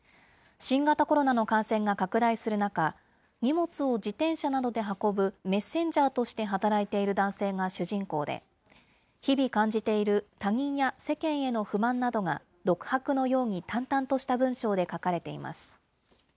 新型コロナの感染が拡大する中、荷物を自転車などで運ぶメッセンジャーとして働いている男性が主人公で、日々感じている、他人や世間への不満などが、独白のように淡々とした文章で書かれています。